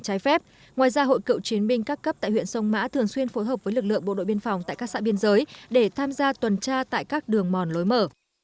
cảnh báo cấp tại huyện sông mã thường xuyên phối hợp với lực lượng bộ đội biên phòng tại các xã biên giới để tham gia tuần tra tại các đường mòn lối mở